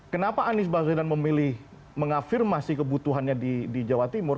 kenapa anies baswedan memilih mengafirmasi kebutuhannya di jawa timur